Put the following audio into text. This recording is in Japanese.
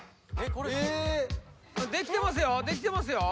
これできてますよできてますよ